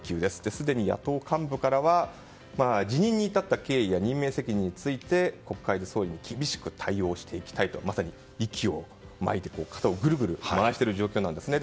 すでに野党幹部からは辞任に至った経緯や任命責任について国会で総理に厳しく対応していきたいとまさに息をまいて肩をぐるぐる回している状況ですね。